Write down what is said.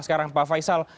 sekarang pak faisal